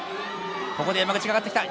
ここで山口が上がってきた。